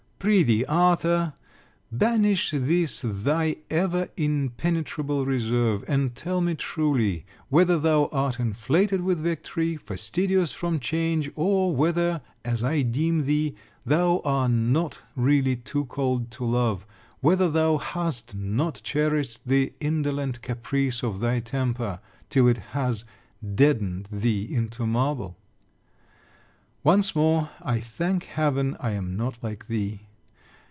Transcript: Prithee, Arthur, banish this thy ever impenetrable reserve; and tell me truly, whether thou art inflated with victory; fastidious from change; or, whether, as I deem thee, thou are not really too cold to love; whether thou hast not cherished the indolent caprice of thy temper, till it has deadened thee into marble? Once more, I thank heaven I am not like thee.